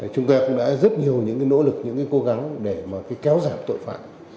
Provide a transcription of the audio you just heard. chúng ta cũng đã rất nhiều những nỗ lực những cố gắng để kéo giảm tội phạm